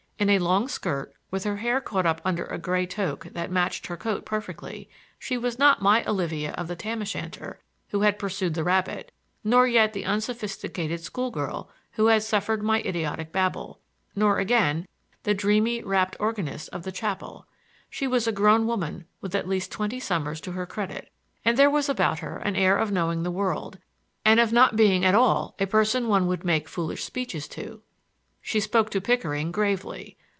In a long skirt, with her hair caught up under a gray toque that matched her coat perfectly, she was not my Olivia of the tam o' shanter, who had pursued the rabbit; nor yet the unsophisticated school girl, who had suffered my idiotic babble; nor, again, the dreamy rapt organist of the chapel. She was a grown woman with at least twenty summers to her credit, and there was about her an air of knowing the world, and of not being at all a person one would make foolish speeches to. She spoke to Pickering gravely.